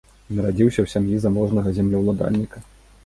Нарадзіўся ў сям'і заможнага землеўладальніка.